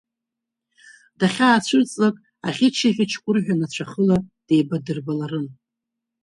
Дахьаацәырҵлак, аӷьыч-аӷьычкәр ҳәа нацәахыла деибадырбаларын!